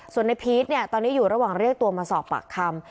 ส่วนในพีชเนี่ยตอนนี้อยู่ระหว่างเรียกตัวมาสอบปากคำ